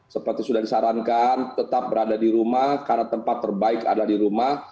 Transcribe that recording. seperti sudah disarankan tetap berada di rumah karena tempat terbaik adalah di rumah